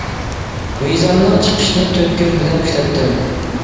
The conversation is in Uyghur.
ۋىزامنىڭ چىقىشىنى تۆت كۆز بىلەن كۈتەتتىم.